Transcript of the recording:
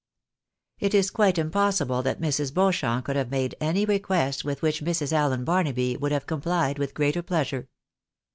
It was quite impossible that Mrs. Beauchamp could have made any request with which Mrs. Allen Barnaby would have complied with greater pleasure.